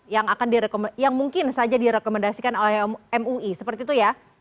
yang akan direkomendasikan yang mungkin saja direkomendasikan oleh mui seperti itu ya